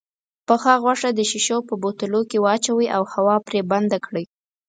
پخه غوښه د شيشو په بوتلو کې واچوئ او هوا پرې بنده کړئ.